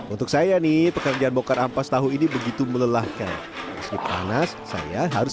untuk saya nih pekerjaan bokar ampas tahu ini begitu melelahkan meski panas saya harus